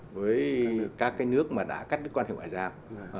với các cái nước mà đã cắt đứt quan hệ ngoại giao